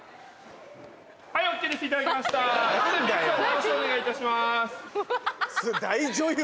直しお願いいたします。